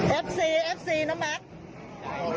แอป๔แอป๔นะมาก